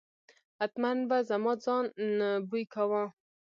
حتمآ به زما ځان بوی کاوه.